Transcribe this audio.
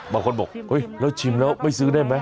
บางคนบอกแล้วชิมแล้วไม่ซื้อได้ไหม